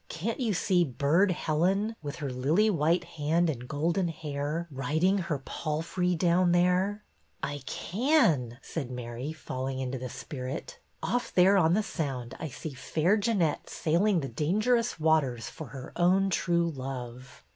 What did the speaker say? " Can't you see Burd Helen, with her lily white hand and golden hair, riding her palfrey down there ?" 'T can," said Mary, falling into the spirit. Off there on the Sound I see Fair Jeannette sailing the dangerous waters for her own true love."